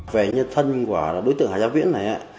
về nhân thân của đối tượng hà gia viễn này